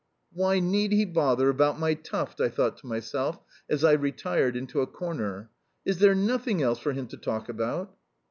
"Why need he bother about my tuft?" I thought to myself as I retired into a corner. "Is there nothing else for him to talk about?"